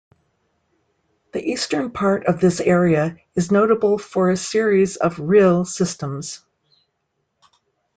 The eastern part of this area is notable for a series of rille systems.